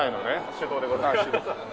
手動でございます。